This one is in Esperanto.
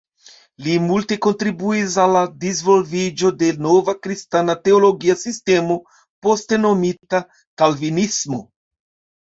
Li multe kontribuis al la disvolviĝo de nova kristana teologia sistemo poste nomita kalvinismo.